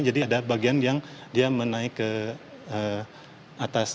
jadi ada bagian yang dia menaik ke atas